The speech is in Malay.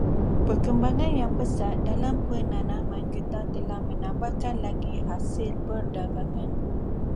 Perkembangan yang pesat dalam penanaman getah telah menambahkan lagi hasil perdagangan.